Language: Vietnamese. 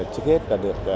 trước hết là được